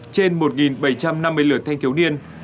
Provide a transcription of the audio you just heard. trên một bảy trăm năm mươi lượt thanh thiếu niên